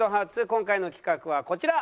今回の企画はこちら！